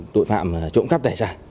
tội phạm trộm cắp tài sản